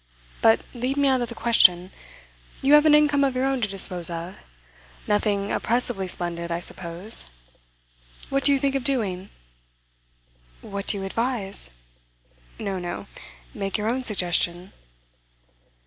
But leave me out of the question. You have an income of your own to dispose of; nothing oppressively splendid, I suppose. What do you think of doing?' 'What do you advise?' 'No, no. Make your own suggestion.